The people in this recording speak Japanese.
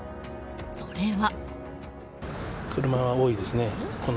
それは。